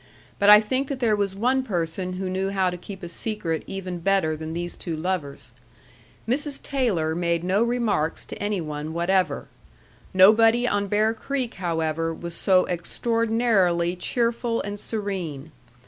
But I think that there was one person who knew how to keep a secret even better than these two lovers. Mrs. Taylor made no remarks to any one whatever. Nobody on Bear Creek, however, was so extraordinarily cheerful and serene.